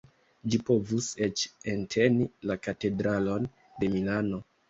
Ĝi povus eĉ enteni la Katedralon de Milano.